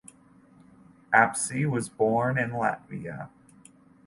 Apse was born in Latvia.